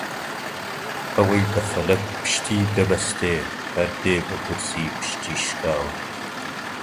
ئەوەی بە فەلەک پشتیدەبەستێ هەر دێ بە گورزێ پشتی شکاوە